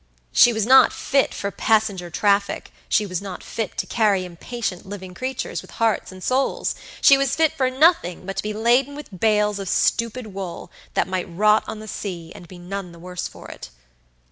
She was not fit for passenger traffic; she was not fit to carry impatient living creatures, with hearts and souls; she was fit for nothing but to be laden with bales of stupid wool, that might rot on the sea and be none the worse for it.